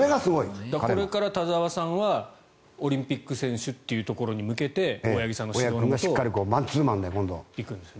これから田澤さんはオリンピック選手というところに向けて大八木さんの指導のもと行くんですね。